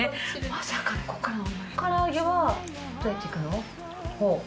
唐揚げはどうやっていくの？